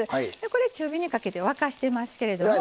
これ中火にかけて沸かしてますけれども。